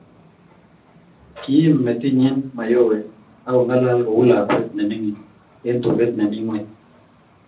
kiim metitnyen Mayowe ak kong'alal kou lakwet nemining eng tuget nemi ng'weny